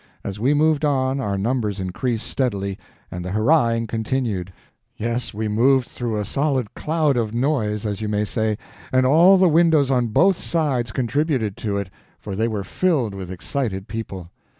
As we moved on, our numbers increased steadily, and the hurrahing continued—yes, we moved through a solid cloud of noise, as you may say, and all the windows on both sides contributed to it, for they were filled with excited people.